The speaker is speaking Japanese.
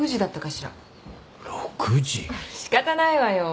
しかたないわよ。